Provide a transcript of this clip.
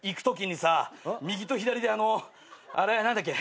右と左であのあれ何だっけ。